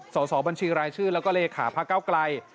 สอบบัญชีรายชื่อแล้วก็เลขาพระเก้าไกล